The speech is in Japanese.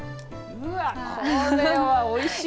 はい。